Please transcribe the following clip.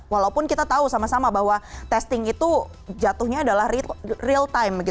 walaupun kita tahu sama sama bahwa testing itu jatuhnya adalah real time